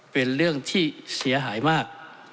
เป็นเรื่องที่เสียหายมาก